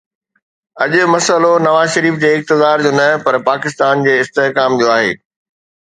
اڄ مسئلو نواز شريف جي اقتدار جو نه پر پاڪستان جي استحڪام جو آهي.